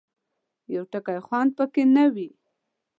یو ټکی خوند پکې نه وي.